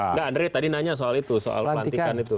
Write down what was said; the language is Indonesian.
nggak andre tadi nanya soal itu soal pelantikan itu